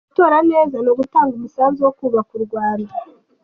Gutora neza ni ugutanga umusanzu wo kubaka u Rwanda.